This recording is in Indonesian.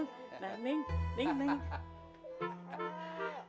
udah bisa nekman kelapa ya